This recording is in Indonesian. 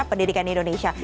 pendidikan di indonesia